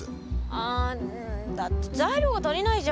あだって材料が足りないじゃん。